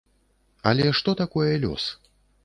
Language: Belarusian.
Але што такое лёс?